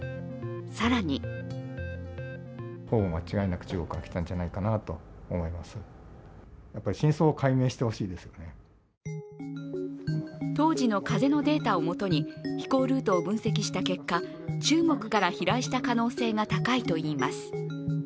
更に当時の風のデータをもとに飛行ルートを分析した結果中国から飛来した可能性が高いといいます。